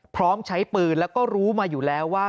พร้อมใช้ปืนแล้วก็รู้มาอยู่แล้วว่า